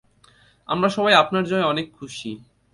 আমরা সবাই আপনার জয়ে অনেক খুশি।